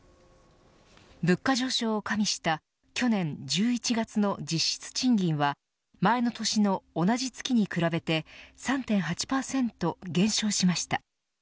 物価上昇を加味した去年１１月の実質賃金は前の年の同じ月に比べて３．８％減少しました。